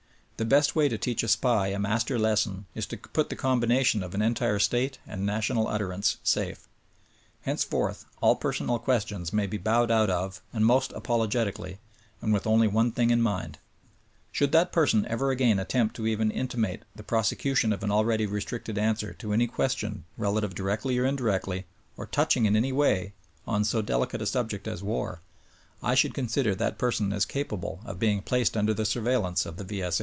The best way to teach a SPY a master lesson is to put the combination on the entire state and national utterance safe. Henceforth, all personal questions may be bovved out of, and most apologetically, and with only one thing in mind: Should that person ever again attempt to even intimate the prosecution of an already restricted answer to any question relative, directly or indirectly, or touch ing in any way on so delicate a subject as war, I should con.sider that person as capable of being placed under the surveillance of the V.